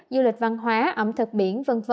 du lịch văn hóa ẩm thực biển v v